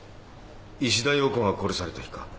石田洋子が殺された日か。